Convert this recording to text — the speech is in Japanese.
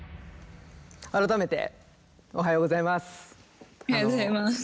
改めておはようございます。